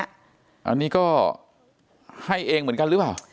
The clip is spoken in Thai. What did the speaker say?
อันนี้ก็ให้เองเหมือนกันหรือเปล่า